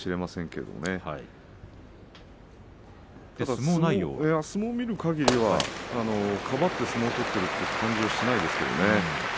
でも相撲を見るかぎりはかばって相撲を取っているという感じはしないですね。